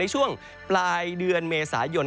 ช่วงปลายเดือนเมษายน